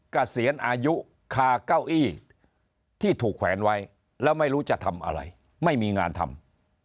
เกษียณอายุคาเก้าอี้ที่ถูกแขวนไว้แล้วไม่รู้จะทำอะไรไม่มีงานทำ